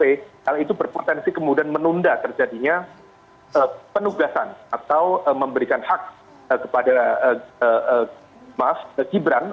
hal itu berpotensi kemudian menunda terjadinya penugasan atau memberikan hak kepada mas gibran